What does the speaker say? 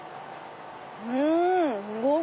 うん！